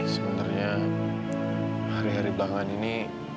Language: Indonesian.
sebenarnya hari hari belakangan ini